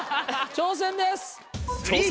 「挑戦です」。